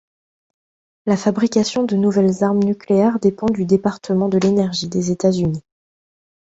La fabrication de nouvelles armes nucléaires dépend du Département de l'Énergie des États-Unis.